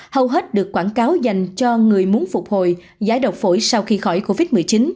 hầu hết được quảng cáo dành cho người muốn phục hồi giải độc phổi sau khi khỏi covid một mươi chín